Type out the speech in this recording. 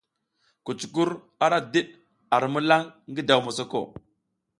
Kucukur ara diɗ ar milan ngi daw mosoko.